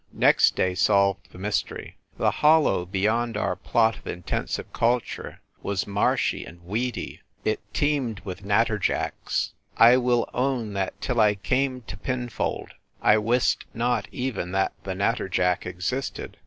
Next day solved the m3'stery. The hollow beyond our plot of intensive culture was marshy and weedy, it teemed with natterjacks. I will own that till I came to Pinfold I wist not even that the natterjack existed.